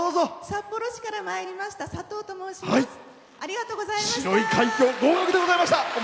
札幌市からまいりましたさとうと申します。